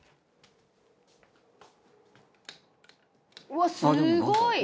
「うわっすごい！」